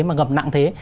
mà ngập nặng thế